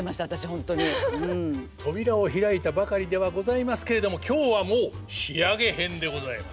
扉を開いたばかりではございますけれども今日はもう仕上げ編でございます。